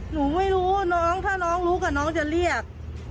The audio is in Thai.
หนูไม่รู้ถ้าน้องลุกอ่ะถ้าน้องจะเรียก